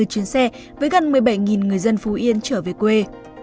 bảy trăm ba mươi chuyến xe với gần một mươi bảy người dân phú yên trở về quê